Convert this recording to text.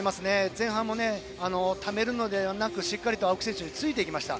前半も、ためるのではなくしっかりと青木選手についていきました。